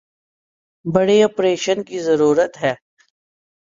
بڑے آپریشن کی ضرورت ہے